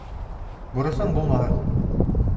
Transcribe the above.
Бурысың булмаһын.